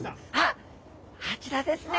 あちらですね。